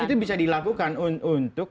itu bisa dilakukan untuk